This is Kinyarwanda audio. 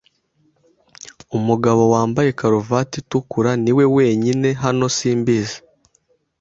Umugabo wambaye karuvati itukura niwe wenyine hano simbizi.